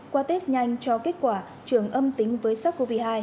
qua test nhanh cho kết quả trường âm tính với sars cov hai